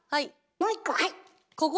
もう一個はい。